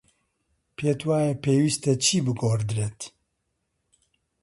پێت وایە پێویستە چی بگۆڕدرێت؟